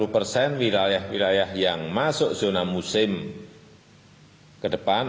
dua puluh persen wilayah wilayah yang masuk zona musim ke depan